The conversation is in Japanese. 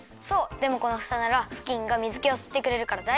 でもこのふたならふきんが水けをすってくれるからだいじょうぶ！